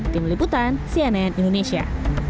tim liputan cnn indonesia